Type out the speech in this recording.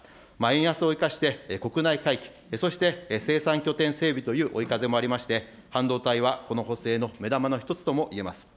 円安を生かして国内回帰、そして生産拠点整備という追い風もありまして、半導体はこの補正の目玉の１つともいえます。